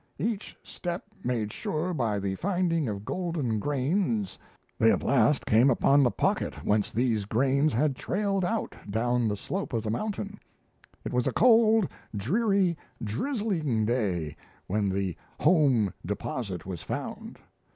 "Each step made sure by the finding of golden grains, they at last came upon the pocket whence these grains had trailed out down the slope of the mountain. It was a cold, dreary drizzling day when the 'home deposit' was found.